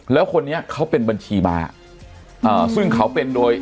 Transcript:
แล้วคนนี้เขาเป็นบัญชีม้าอ่าซึ่งเขาเป็นโดย